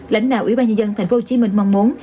lãnh đạo ủy ban nhân dân tp hcm mong muốn